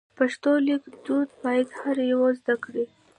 پښتو لیک دود باید هر یو زده کړو.